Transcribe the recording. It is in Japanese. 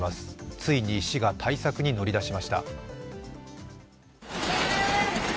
ついに市が対策に乗り出しました。